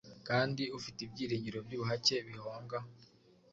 kandi ufite ibyiringiro byubuhake bihonga